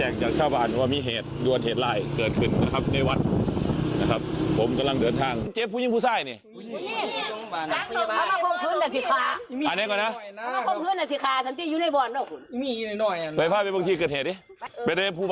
เข้ามาขึ้นบ้านศีลนี้ไปทางไหน